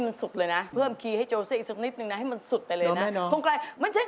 แม่บอกให้ลองตลอด